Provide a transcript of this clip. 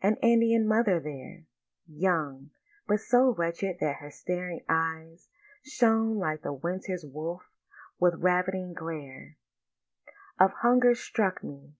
An Indian mother there, Young, but so wretched that her staring eyes Shone like the winter wolf's with ravening glare Of hunger, struck me.